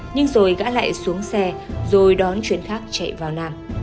nhưng rồi gã lại xuống xe rồi đón chuyến khác chạy vào nam